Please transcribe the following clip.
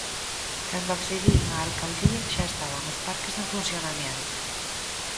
Cando accedín á alcaldía xa estaban os parques en funcionamento.